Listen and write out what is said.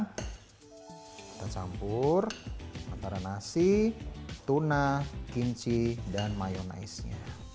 kita campur antara nasi tuna kimchi dan mayonnaise nya